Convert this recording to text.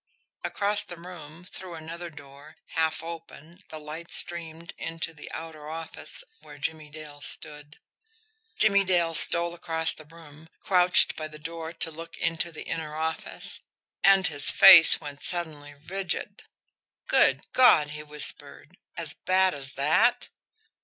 Across the room, through another door, half open, the light streamed into the outer office, where Jimmie Dale stood. Jimmie Dale stole across the room, crouched by the door to look into the inner office and his face went suddenly rigid. "Good God!" he whispered. "As bad as that!"